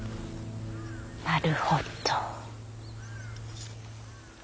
なるほど。